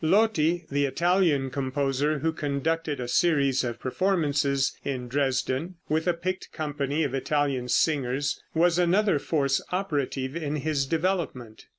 Lotti, the Italian composer, who conducted a series of performances in Dresden with a picked company of Italian singers, was another force operative in his development.